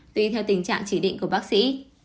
tuy theo tình trạng chỉ định của bác sĩ